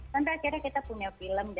sampai akhirnya kita punya film